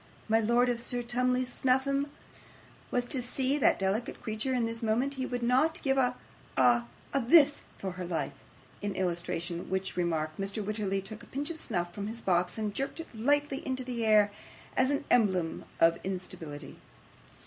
My lord, if Sir Tumley Snuffim was to see that delicate creature at this moment, he would not give a a THIS for her life.' In illustration of which remark, Mr Wititterly took a pinch of snuff from his box, and jerked it lightly into the air as an emblem of instability.